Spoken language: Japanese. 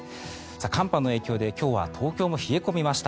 寒波の影響で今日は東京も冷え込みました。